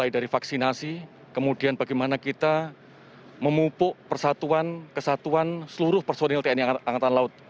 dari vaksinasi kemudian bagaimana kita memupuk persatuan kesatuan seluruh personil tni angkatan laut